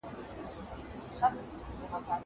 زه اجازه لرم چي ږغ واورم!